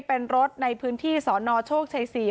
เป็นรถในพื้นที่สนโชคชัย๔